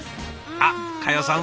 あっ佳代さん